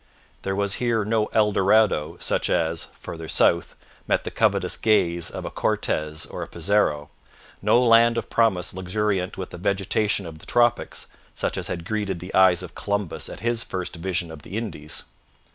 There was here no Eldorado such as, farther south, met the covetous gaze of a Cortez or a Pizarro, no land of promise luxuriant with the vegetation of the tropics such as had greeted the eyes of Columbus at his first vision of the Indies.